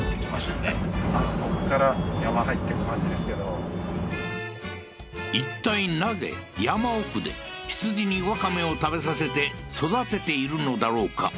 うんいったいなぜ山奥で羊にワカメを食べさせて育てているのだろうか？